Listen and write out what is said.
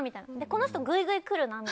この人ぐいぐい来るな。